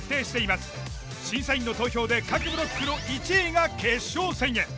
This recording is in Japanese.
審査員の投票で各ブロックの１位が決勝戦へ。